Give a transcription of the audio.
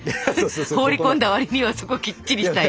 放り込んだわりにはそこきっちりしたい。